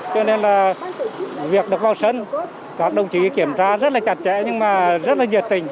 cho nên là việc được vào sân các đồng chí kiểm tra rất là chặt chẽ nhưng mà rất là nhiệt tình